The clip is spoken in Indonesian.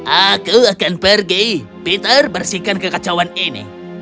aku akan pergi peter bersihkan kekacauan ini